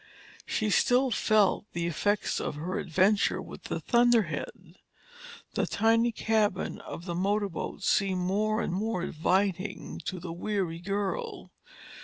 She still felt the effects of her adventure with the thunderhead. The tiny cabin of the motor boat seemed more and more inviting to the weary girl.